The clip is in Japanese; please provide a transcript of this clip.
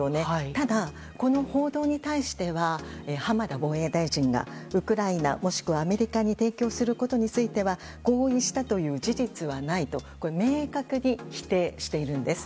ただ、この報道に対しては浜田防衛大臣がウクライナ、もしくはアメリカに提供することについては合意したという事実はないと明確に否定しているんです。